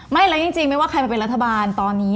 ไม่แล้วยขึ้นจริงใครเป็นรัฐบาลตอนนี้